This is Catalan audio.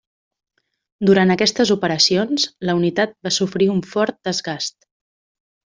Durant aquestes operacions la unitat va sofrir un fort desgast.